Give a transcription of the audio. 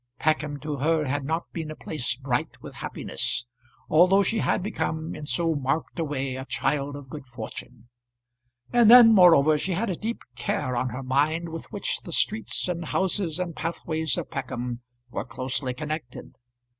Peckham to her had not been a place bright with happiness, although she had become in so marked a way a child of good fortune. And then, moreover, she had a deep care on her mind with which the streets and houses and pathways of Peckham were closely connected.